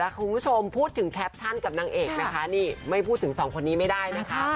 คุณผู้ชมพูดถึงแคปชั่นกับนางเอกนะคะนี่ไม่พูดถึงสองคนนี้ไม่ได้นะคะ